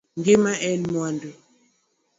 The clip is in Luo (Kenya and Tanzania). Ngima en mwanda.